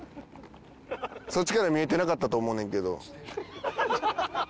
そっちから見えてなかったと思うねんけど。